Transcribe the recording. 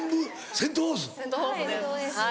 セント・フォースですはい。